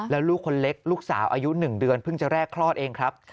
แล้วลูกคนเล็กลูกสาวอายุ๑เดือนเพิ่งจะแรกคลอดเองครับ